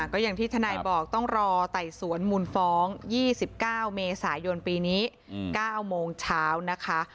ก็อย่างที่ทนายบอกต้องรอไต่สวนมูลฟ้อง๒๙เมษายนปีนี้๙โมงเช้านะคะ